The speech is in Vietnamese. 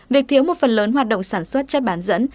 việc thiếu một phần lớn hoạt động sản xuất chất bán dẫn